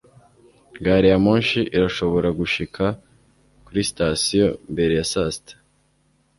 gariyamoshi irashobora gushika kuri sitasiyo mbere ya saa sita